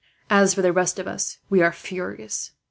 As for the rest of us, we are furious.